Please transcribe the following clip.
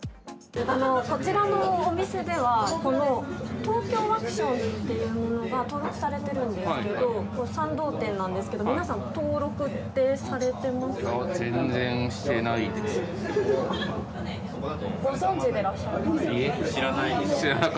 こちらのお店では、このＴＯＫＹＯワクションっていうものが登録されているんですけど、賛同店なんですけれども、皆さん、登録ってされてますか？